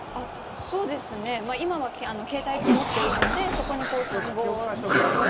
そうですね、今は携帯を持っているので、そこに単語を。